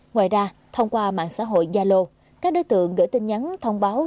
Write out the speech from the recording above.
ngoài ra thông qua mạng xã hội yalo các đối tượng gửi tin nhắn thông báo